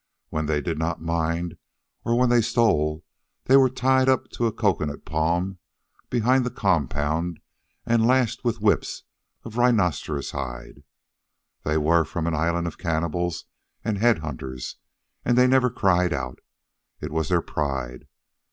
When they did not mind, or when they stole, they were tied up to a cocoanut palm behind the compound and lashed with whips of rhinoceros hide. They were from an island of cannibals and head hunters, and they never cried out. It was their pride.